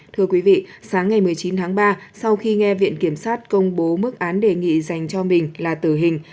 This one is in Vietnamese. thưa quý vị sáng ngày một mươi chín tháng ba sau khi nghe viện kiểm sát công bố mức án đề nghị dành cho mình là tử hình